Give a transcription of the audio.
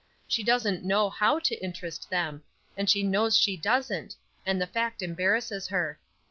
She doesn't know how to interest them, and she knows she doesn't, and the fact embarrasses her.